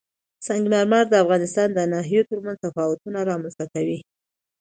سنگ مرمر د افغانستان د ناحیو ترمنځ تفاوتونه رامنځ ته کوي.